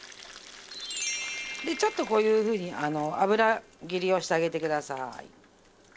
でちょっとこういうふうに油切りをしてあげてください。